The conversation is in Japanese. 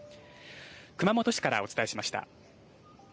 熊本市からお伝えしました。